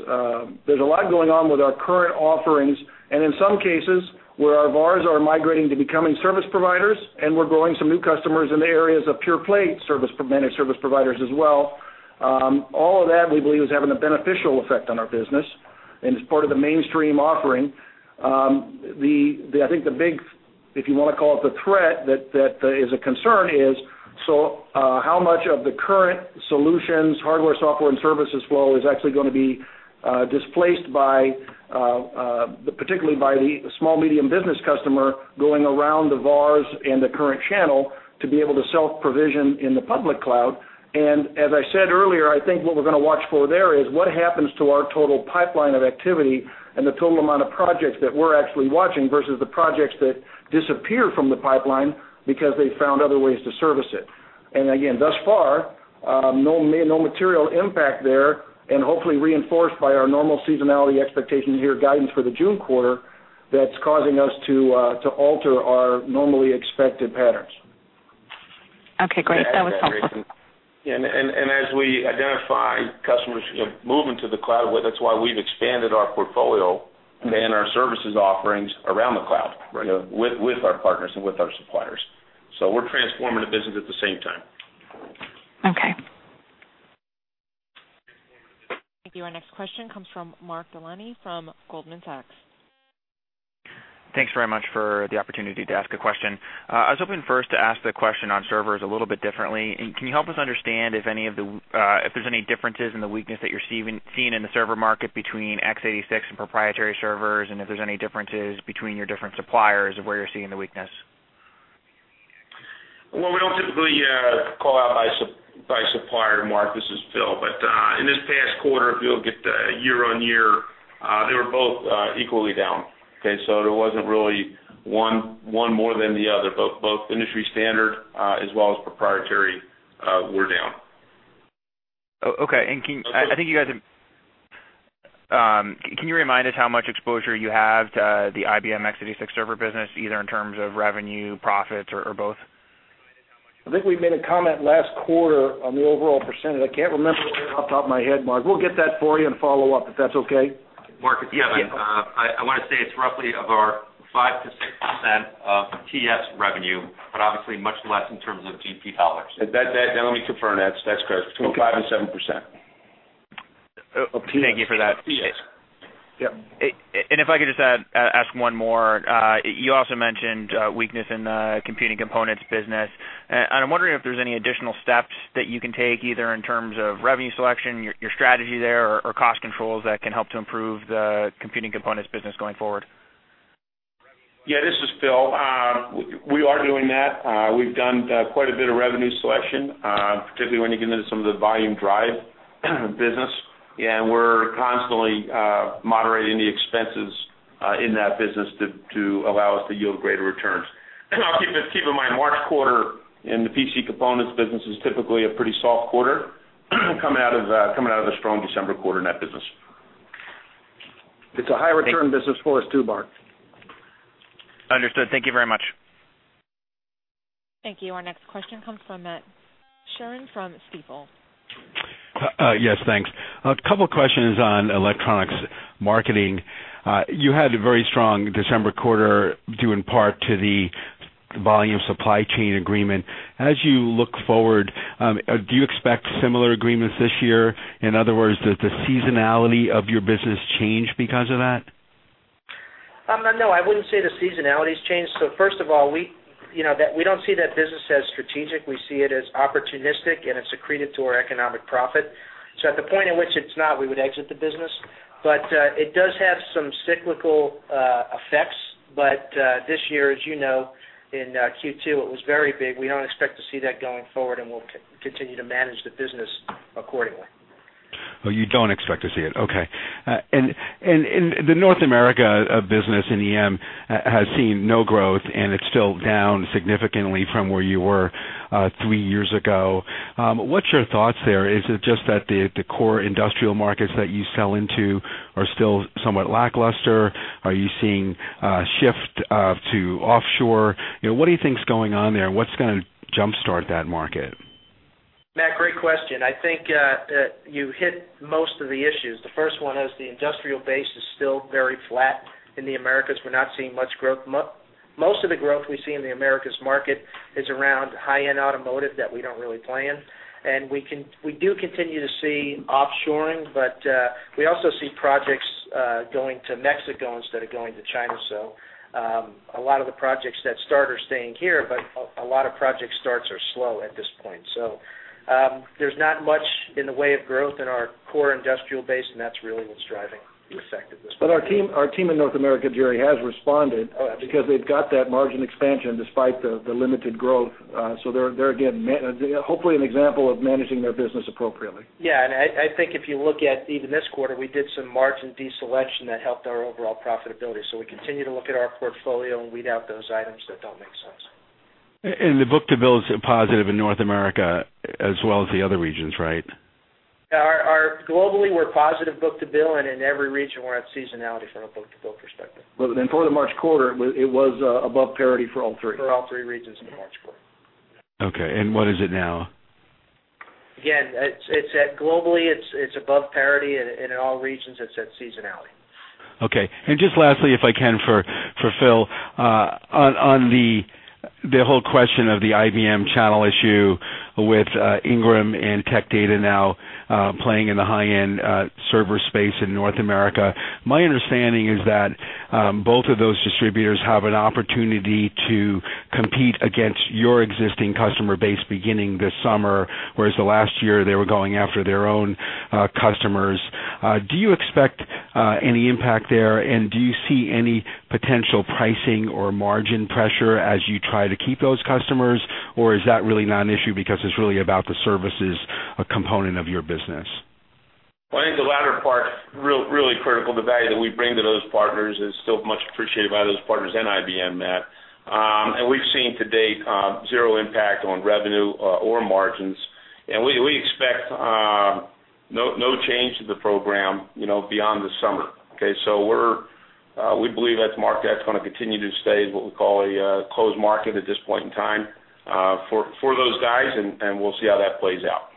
a lot going on with our current offerings. And in some cases where our VARs are migrating to becoming service providers and we're growing some new customers in the areas of pure-play managed service providers as well, all of that we believe is having a beneficial effect on our business and is part of the mainstream offering. I think the big, if you want to call it the threat that is a concern is how much of the current solutions, hardware, software, and services flow is actually going to be displaced by, particularly by the small, medium business customer going around the VARs and the current channel to be able to self-provision in the public cloud. And as I said earlier, I think what we're going to watch for there is what happens to our total pipeline of activity and the total amount of projects that we're actually watching versus the projects that disappear from the pipeline because they found other ways to service it. And again, thus far, no material impact there and hopefully reinforced by our normal seasonality expectation. Here's guidance for the June quarter that's causing us to alter our normally expected patterns. Okay. Great. That was helpful. Yeah. And as we identify customers moving to the cloud, that's why we've expanded our portfolio and our services offerings around the cloud with our partners and with our suppliers. So we're transforming the business at the same time. Okay. Thank you. Our next question comes from Mark Delaney from Goldman Sachs. Thanks very much for the opportunity to ask a question. I was hoping first to ask the question on servers a little bit differently. Can you help us understand if there's any differences in the weakness that you're seeing in the server market between x86 and proprietary servers and if there's any differences between your different suppliers of where you're seeing the weakness? Well, we don't typically call out by supplier, Mark. This is Phil. But in this past quarter, if you look at the year-on-year, they were both equally down. Okay? So there wasn't really one more than the other. Both industry standard as well as proprietary were down. Okay. I think you guys, can you remind us how much exposure you have to the IBM x86 server business, either in terms of revenue, profits, or both? I think we made a comment last quarter on the overall percentage. I can't remember off the top of my head, Mark. We'll get that for you and follow up if that's okay? Mark, yeah. I want to say it's roughly about 5%-6% of TS revenue, but obviously much less in terms of GP dollars. Now let me confirm that. That's correct. Between 5% and 7%. Thank you for that. Yep. If I could just ask one more. You also mentioned weakness in the computing components business. I'm wondering if there's any additional steps that you can take either in terms of revenue selection, your strategy there, or cost controls that can help to improve the computing components business going forward. Yeah. This is Phil. We are doing that. We've done quite a bit of revenue selection, particularly when you get into some of the volume drive business. And we're constantly moderating the expenses in that business to allow us to yield greater returns. And I'll keep in mind, March quarter in the PC components business is typically a pretty soft quarter coming out of a strong December quarter in that business. It's a high return business for us too, Mark. Understood. Thank you very much. Thank you. Our next question comes from Matt Sheerin from Stifel. Yes, thanks. A couple of questions on electronics marketing. You had a very strong December quarter due in part to the volume supply chain agreement. As you look forward, do you expect similar agreements this year? In other words, does the seasonality of your business change because of that? No, I wouldn't say the seasonality has changed. So first of all, we don't see that business as strategic. We see it as opportunistic, and it's accretive to our economic profit. So at the point at which it's not, we would exit the business. But it does have some cyclical effects. But this year, as you know, in Q2, it was very big. We don't expect to see that going forward, and we'll continue to manage the business accordingly. Oh, you don't expect to see it. Okay. And the North America business in EM has seen no growth, and it's still down significantly from where you were three years ago. What's your thoughts there? Is it just that the core industrial markets that you sell into are still somewhat lackluster? Are you seeing a shift to offshore? What do you think's going on there, and what's going to jump-start that market? Matt, great question. I think you hit most of the issues. The first one is the industrial base is still very flat in the Americas. We're not seeing much growth. Most of the growth we see in the Americas market is around high-end automotive that we don't really plan. And we do continue to see offshoring, but we also see projects going to Mexico instead of going to China. So a lot of the projects that start are staying here, but a lot of project starts are slow at this point. So there's not much in the way of growth in our core industrial base, and that's really what's driving the effectiveness. But our team in North America, Gerry, has responded because they've got that margin expansion despite the limited growth. So they're, again, hopefully an example of managing their business appropriately. Yeah. I think if you look at even this quarter, we did some margin deselection that helped our overall profitability. We continue to look at our portfolio and weed out those items that don't make sense. The book-to-bill is positive in North America as well as the other regions, right? Yeah. Globally, we're positive book-to-bill, and in every region, we're at seasonality from a book-to-bill perspective. But then for the March quarter, it was above parity for all three. For all three regions in the March quarter. Okay. And what is it now? Again, globally, it's above parity, and in all regions, it's at seasonality. Okay. Just lastly, if I can for Phil, on the whole question of the IBM channel issue with Ingram and Tech Data now playing in the high-end server space in North America, my understanding is that both of those distributors have an opportunity to compete against your existing customer base beginning this summer, whereas last year they were going after their own customers. Do you expect any impact there, and do you see any potential pricing or margin pressure as you try to keep those customers, or is that really not an issue because it's really about the services component of your business? I think the latter part is really critical. The value that we bring to those partners is still much appreciated by those partners and IBM, Matt. We've seen to date zero impact on revenue or margins. We expect no change to the program beyond the summer. Okay? We believe that's going to continue to stay what we call a closed market at this point in time for those guys, and we'll see how that plays out.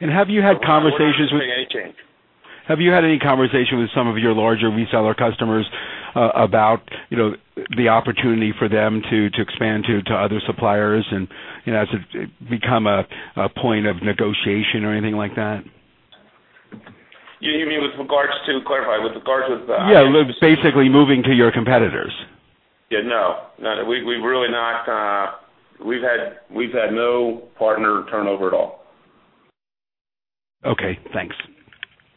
Have you had conversations with? We don't expect any change. Have you had any conversation with some of your larger reseller customers about the opportunity for them to expand to other suppliers and as it become a point of negotiation or anything like that? You mean with regards to clarify, with regards with. Yeah. Basically moving to your competitors. Yeah. No. We've really not. We've had no partner turnover at all. Okay. Thanks.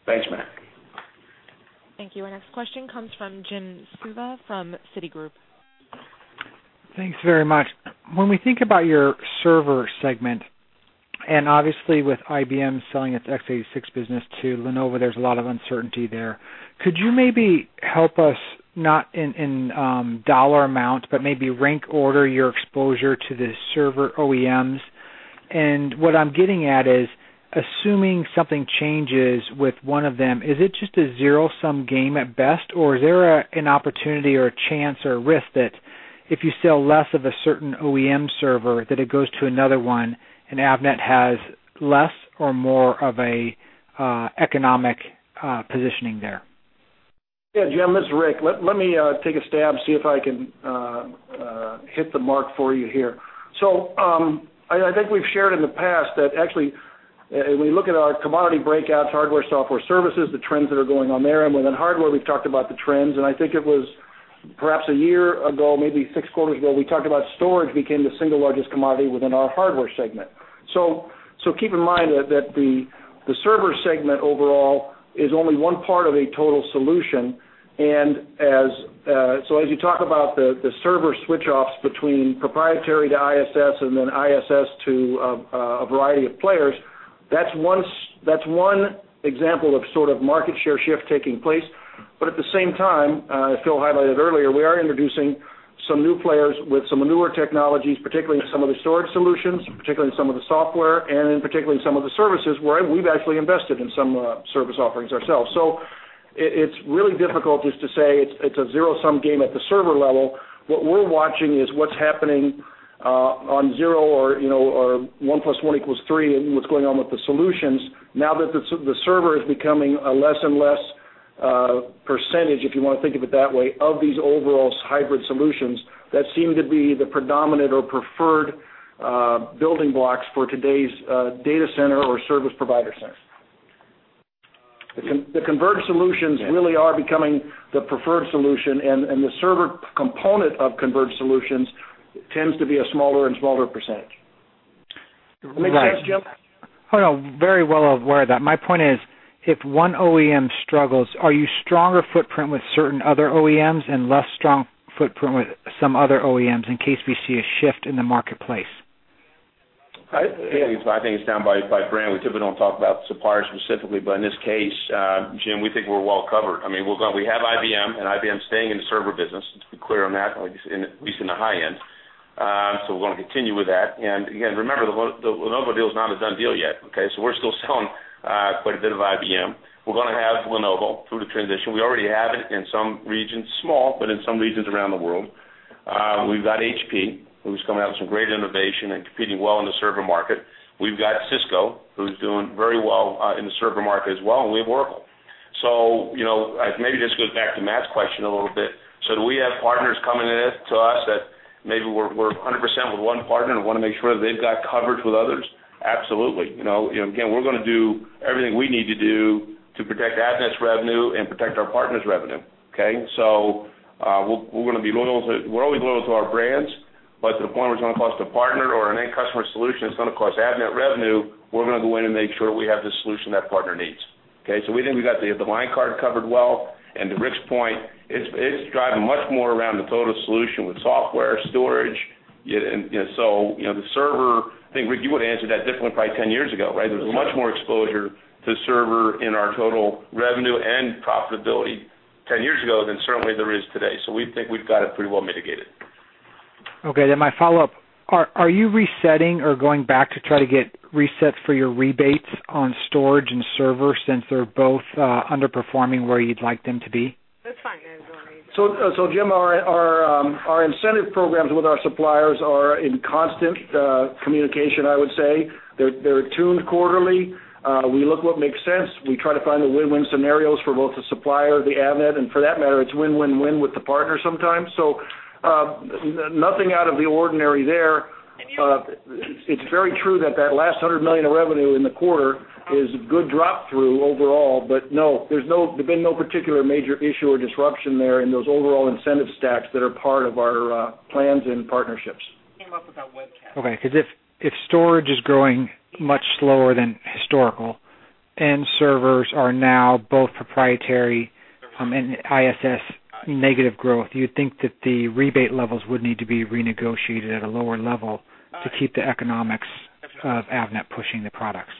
Thanks, Matt. Thank you. Our next question comes from Jim Suva from Citigroup. Thanks very much. When we think about your server segment, and obviously with IBM selling its x86 business to Lenovo, there's a lot of uncertainty there. Could you maybe help us not in dollar amount, but maybe rank order your exposure to the server OEMs? What I'm getting at is assuming something changes with one of them, is it just a zero-sum game at best, or is there an opportunity or a chance or a risk that if you sell less of a certain OEM server, that it goes to another one and Avnet has less or more of an economic positioning there? Yeah. Jim, this is Rick. Let me take a stab and see if I can hit the mark for you here. So I think we've shared in the past that actually when we look at our commodity breakouts, hardware, software, services, the trends that are going on there. And within hardware, we've talked about the trends. And I think it was perhaps a year ago, maybe 6 quarters ago, we talked about storage became the single largest commodity within our hardware segment. So keep in mind that the server segment overall is only one part of a total solution. And so as you talk about the server switch-offs between proprietary to x86 and then x86 to a variety of players, that's one example of sort of market share shift taking place. But at the same time, as Phil highlighted earlier, we are introducing some new players with some newer technologies, particularly in some of the storage solutions, particularly in some of the software, and in particular some of the services where we've actually invested in some service offerings ourselves. So it's really difficult just to say it's a zero-sum game at the server level. What we're watching is what's happening on zero or one plus one equals three and what's going on with the solutions now that the server is becoming a less and less percentage, if you want to think of it that way, of these overall hybrid solutions that seem to be the predominant or preferred building blocks for today's data center or service provider center. The converged solutions really are becoming the preferred solution, and the server component of converged solutions tends to be a smaller and smaller percentage. Does that make sense, Jim? Hold on. Very well aware of that. My point is if one OEM struggles, are you stronger footprint with certain other OEMs and less strong footprint with some other OEMs in case we see a shift in the marketplace? I think it's down by brand. We typically don't talk about suppliers specifically, but in this case, Jim, we think we're well covered. I mean, we have IBM, and IBM's staying in the server business. Let's be clear on that, at least in the high end. So we're going to continue with that. And again, remember, the Lenovo deal is not a done deal yet. Okay? So we're still selling quite a bit of IBM. We're going to have Lenovo through the transition. We already have it in some regions, small, but in some regions around the world. We've got HP, who's coming out with some great innovation and competing well in the server market. We've got Cisco, who's doing very well in the server market as well, and we have Oracle. So maybe this goes back to Matt's question a little bit. So do we have partners coming to us that maybe we're 100% with one partner and want to make sure that they've got coverage with others? Absolutely. Again, we're going to do everything we need to do to protect Avnet's revenue and protect our partners' revenue. Okay? So we're going to be loyal to we're always loyal to our brands, but to the point where it's going to cost a partner or an end customer solution, it's going to cost Avnet revenue, we're going to go in and make sure we have the solution that partner needs. Okay? So we think we've got the line card covered well. And to Rick's point, it's driving much more around the total solution with software, storage. So the server, I think Rick, you would have answered that differently probably 10 years ago, right? There's much more exposure to server in our total revenue and profitability 10 years ago than certainly there is today. So we think we've got it pretty well mitigated. Okay. Then my follow-up. Are you resetting or going back to try to get resets for your rebates on storage and server since they're both underperforming where you'd like them to be? That's fine. That is all right. So Jim, our incentive programs with our suppliers are in constant communication, I would say. They're tuned quarterly. We look what makes sense. We try to find the win-win scenarios for both the supplier, the Avnet, and for that matter, it's win-win-win with the partner sometimes. So nothing out of the ordinary there. It's very true that that last $100 million of revenue in the quarter is good drop-through overall, but no, there's been no particular major issue or disruption there in those overall incentive stacks that are part of our plans and partnerships. Came up with that webcast. Okay. Because if storage is growing much slower than historical and servers are now both proprietary and x86 negative growth, you'd think that the rebate levels would need to be renegotiated at a lower level to keep the economics of Avnet pushing the products.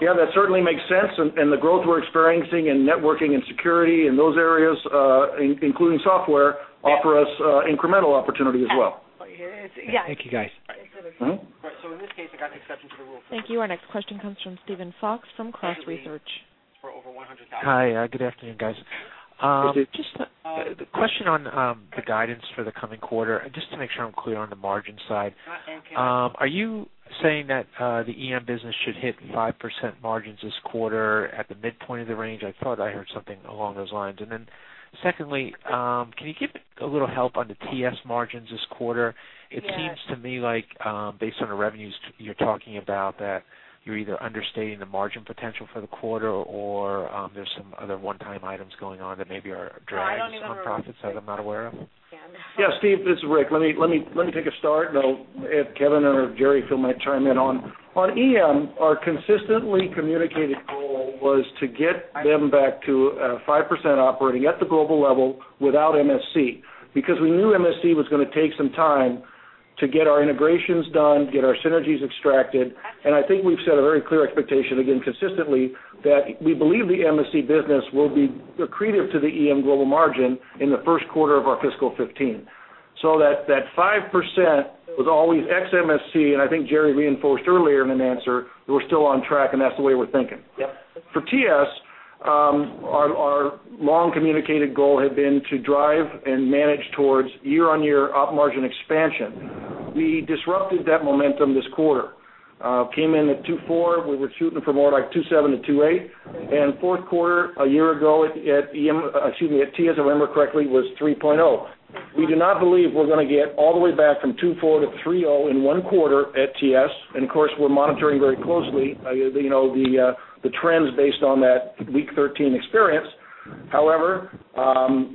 Yeah. That certainly makes sense. And the growth we're experiencing in networking and security in those areas, including software, offer us incremental opportunity as well. Thank you, guys. All right. So in this case, I got the exception to the rule. Thank you. Our next question comes from Steven Fox from Cross Research. Hi. Good afternoon, guys. The question on the guidance for the coming quarter, just to make sure I'm clear on the margin side, are you saying that the EM business should hit 5% margins this quarter at the midpoint of the range? I thought I heard something along those lines. And then secondly, can you give a little help on the TS margins this quarter? It seems to me like based on the revenues you're talking about that you're either understating the margin potential for the quarter or there's some other one-time items going on that maybe are dragging some profits that I'm not aware of. Yeah. Steven, this is Rick. Let me take a start. Now, if Kevin or Gerry feel free to chime in on EM, our consistently communicated goal was to get them back to 5% operating at the global level without MSC because we knew MSC was going to take some time to get our integrations done, get our synergies extracted. And I think we've set a very clear expectation, again, consistently, that we believe the MSC business will be accretive to the EM global margin in the first quarter of our fiscal 2015. So that 5% was always ex-MSC, and I think Gerry reinforced earlier in an answer that we're still on track, and that's the way we're thinking. For TS, our long communicated goal had been to drive and manage towards year-on-year up margin expansion. We disrupted that momentum this quarter. Came in at 2.4%. We were shooting for more like 2.7%-2.8%. Fourth quarter a year ago at TS, if I remember correctly, was 3.0%. We do not believe we're going to get all the way back from 2.4%-3.0% in one quarter at TS. Of course, we're monitoring very closely the trends based on that week 13 experience. However,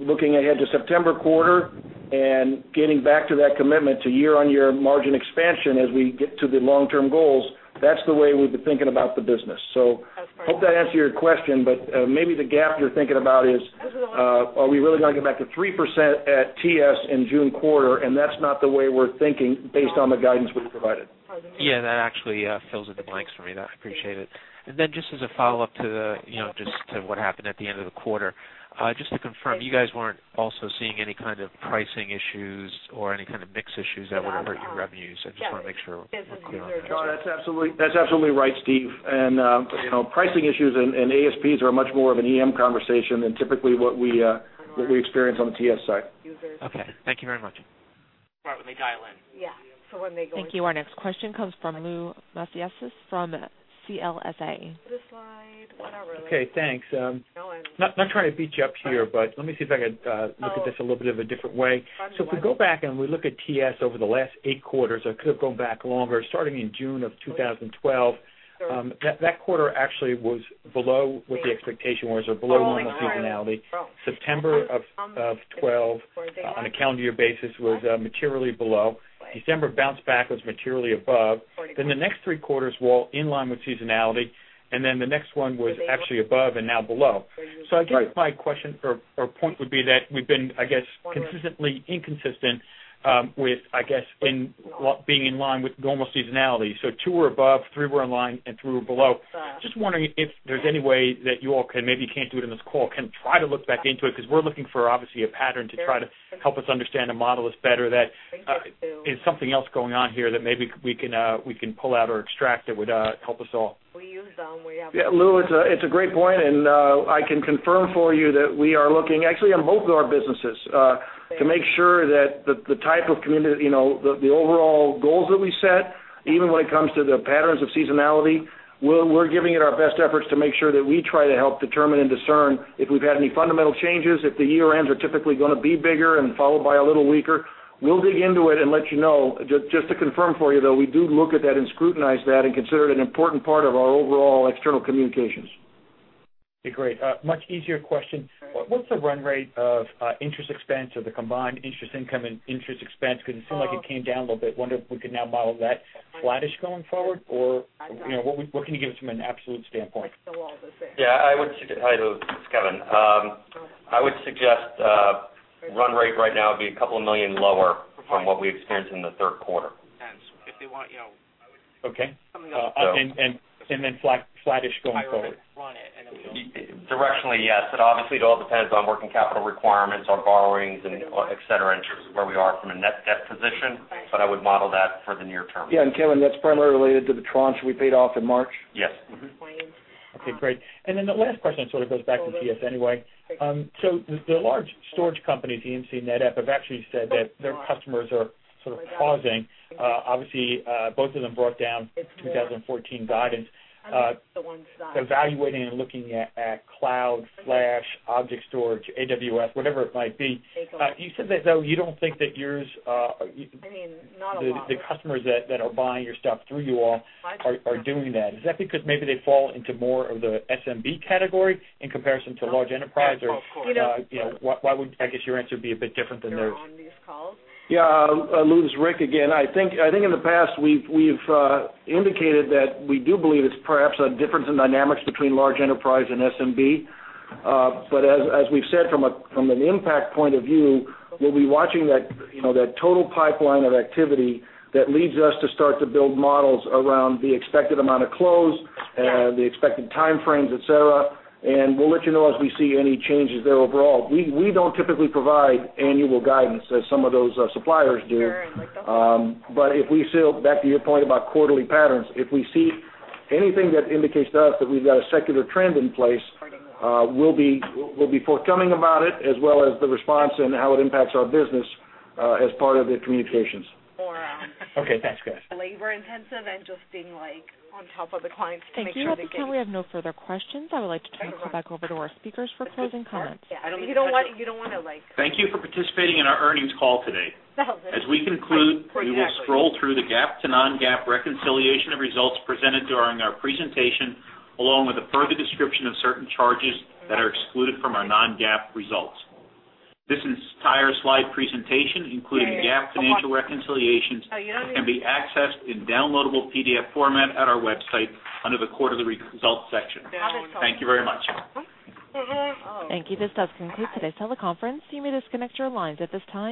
looking ahead to September quarter and getting back to that commitment to year-on-year margin expansion as we get to the long-term goals, that's the way we've been thinking about the business. I hope that answers your question, but maybe the gap you're thinking about is, are we really going to get back to 3% at TS in June quarter, and that's not the way we're thinking based on the guidance we've provided. Yeah. That actually fills in the blanks for me. I appreciate it. And then just as a follow-up to what happened at the end of the quarter, just to confirm, you guys weren't also seeing any kind of pricing issues or any kind of mix issues that would have hurt your revenues. I just want to make sure we're clear on that. Yeah. That's absolutely right, Steve. And pricing issues and ASPs are much more of an EM conversation than typically what we experience on the TS side. Okay. Thank you very much. Right when they dial in. Thank you. Our next question comes from Louis Miscioscia from CLSA. Okay. Thanks. Not trying to beat you up here, but let me see if I could look at this a little bit of a different way. So if we go back and we look at TS over the last eight quarters, I could have gone back longer, starting in June of 2012. That quarter actually was below what the expectation was or below normal seasonality. September of 2012, on a calendar year basis, was materially below. December bounced back, was materially above. Then the next three quarters were all in line with seasonality, and then the next one was actually above and now below. So I guess my question or point would be that we've been, I guess, consistently inconsistent with, I guess, being in line with normal seasonality. So two were above, three were in line, and three were below. Just wondering if there's any way that you all can. Maybe can't do it in this call, can try to look back into it because we're looking for, obviously, a pattern to try to help us understand and model us better that there's something else going on here that maybe we can pull out or extract that would help us all. Yeah. Lou, it's a great point. I can confirm for you that we are looking actually on both of our businesses to make sure that the type of community, the overall goals that we set, even when it comes to the patterns of seasonality, we're giving it our best efforts to make sure that we try to help determine and discern if we've had any fundamental changes, if the year-ends are typically going to be bigger and followed by a little weaker. We'll dig into it and let you know. Just to confirm for you, though, we do look at that and scrutinize that and consider it an important part of our overall external communications. Okay. Great. Much easier question. What's the run rate of interest expense or the combined interest income and interest expense? Because it seemed like it came down a little bit. Wonder if we could now model that flattish going forward, or what can you give us from an absolute standpoint? Yeah. I would, hello, Kevin. I would suggest run rate right now would be $2 million lower from what we experienced in the third quarter. If they want something else. Okay. And then flattish going forward. Directionally, yes. But obviously, it all depends on working capital requirements, our borrowings, and etc., in terms of where we are from a net debt position. But I would model that for the near term. Yeah. And Kevin, that's primarily related to the tranche we paid off in March? Yes. Okay. Great. And then the last question sort of goes back to TS anyway. So the large storage companies, EMC, NetApp, have actually said that their customers are sort of pausing. Obviously, both of them brought down 2014 guidance. Evaluating and looking at cloud, flash, object storage, AWS, whatever it might be. You said that though you don't think that yours— I mean, not a lot. The customers that are buying your stuff through you all are doing that. Is that because maybe they fall into more of the SMB category in comparison to large enterprise? Of course. Why would, I guess, your answer be a bit different than theirs? Yeah. Lou, this is Rick again. I think in the past, we've indicated that we do believe it's perhaps a difference in dynamics between large enterprise and SMB. But as we've said, from an impact point of view, we'll be watching that total pipeline of activity that leads us to start to build models around the expected amount of close and the expected time frames, etc. And we'll let you know as we see any changes there overall. We don't typically provide annual guidance as some of those suppliers do. But if we see, back to your point about quarterly patterns, if we see anything that indicates to us that we've got a secular trend in place, we'll be forthcoming about it as well as the response and how it impacts our business as part of the communications. Okay. Thanks, guys. Labor-intensive and just being on top of the clients to make sure they get it. Since we have no further questions, I would like to turn it back over to our speakers for closing comments. Thank you for participating in our earnings call today. As we conclude, we will scroll through the GAAP to non-GAAP reconciliation of results presented during our presentation, along with a further description of certain charges that are excluded from our non-GAAP results. This entire slide presentation, including GAAP financial reconciliations, can be accessed in downloadable PDF format at our website under the quarterly results section. Thank you very much. Thank you. This has concluded today's teleconference. You may disconnect your lines at this time.